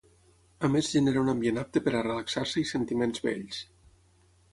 A més genera un ambient apte per a relaxar-se i sentiments bells.